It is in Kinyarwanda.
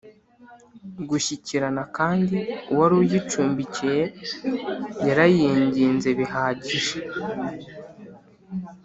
gushyikirana kandi uwari ayicumbikiye yarayinginze bihagije?